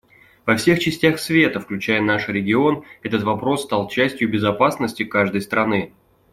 Во всех частях света, включая наш регион, этот вопрос стал частью безопасности каждой страны.